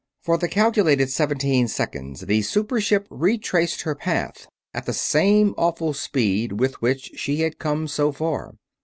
For the calculated seventeen seconds the super ship retraced her path, at the same awful speed with which she had come so far.